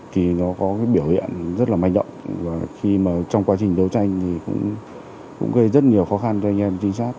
thì nó có cái biểu hiện rất là manh động và khi mà trong quá trình đấu tranh thì cũng gây rất nhiều khó khăn cho anh em trinh sát